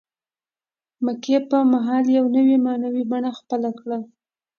مکې په مهال یوه نوې معنوي بڼه خپله کړه.